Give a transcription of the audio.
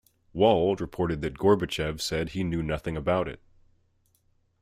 Wald reported that Gorbachev said he knew nothing about it.